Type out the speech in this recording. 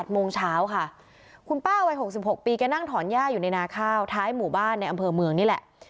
โมงเช้าค่ะคุณป้าวัย๖๖ปีแกนั่งถอนย่าอยู่ในนาข้าวท้ายหมู่บ้านในอำเภอเมืองนี่แหละ